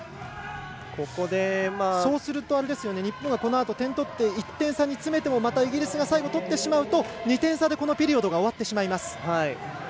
そうすると、日本がこのあと点を取って１点差に詰めてもまたイギリスが最後とってしまうと２点差でこのピリオドが終わってしまいます。